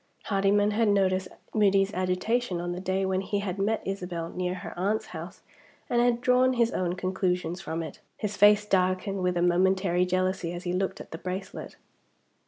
Hardyman had noticed Moody's agitation on the day when he had met Isabel near her aunt's house, and had drawn his own conclusions from it. His face darkened with a momentary jealousy as he looked at the bracelet.